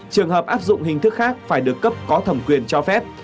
trường hợp áp dụng hình thức khác phải được cấp có thẩm quyền cho phép